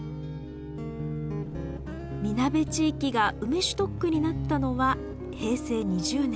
みなべ地域が梅酒特区になったのは平成２０年。